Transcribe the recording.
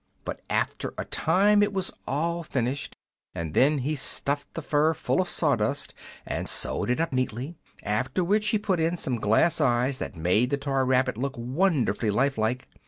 But after a time it was all finished, and then he stuffed the fur full of sawdust and sewed it up neatly; after which he put in some glass eyes that made the toy rabbit look wonderfully life like.